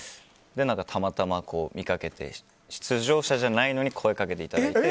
たまたま見かけて出場者じゃないのに声かけていただいて。